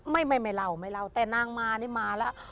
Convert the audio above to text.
ไม่เล่าแต่นางมาเนี่ยมาล่ะ